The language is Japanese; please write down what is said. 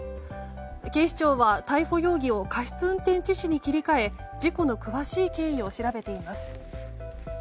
警視庁は逮捕容疑を過失運転致死に切り替え事故の詳しい経緯を調べています。